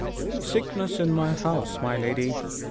'Sickness in the house, my lady.